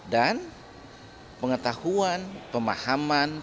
dan pengetahuan pemahaman tentang